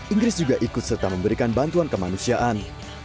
inggris juga ikut serta memberikan bantuan kemanusiaan